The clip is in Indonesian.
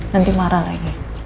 nanti marah lagi